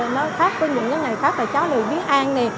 nó khác với những nhân này khác là cháu bị viết an